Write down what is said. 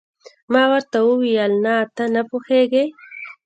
ما ورته وویل: نه، ته نه پوهېږې.